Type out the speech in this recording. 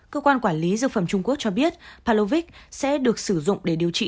cơ quan quản lý dược phẩm trung quốc cho biết pallowic sẽ được sử dụng để điều trị